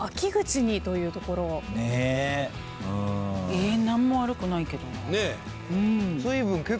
え何も悪くないけどな。